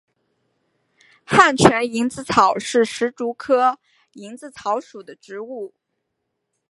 汉城蝇子草是石竹科蝇子草属的植物。